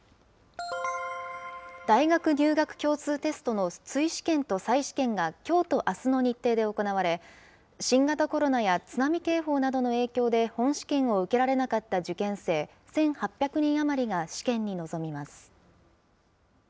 大学入学共通テストの追試験と再試験がきょうとあすの日程で行われ、新型コロナや津波警報などの影響で本試験を受けられなかった受験生１８００人余りが試験に臨みます。